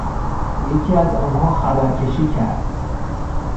یکی از آنها خبرکشی کرد.